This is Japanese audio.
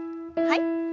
はい。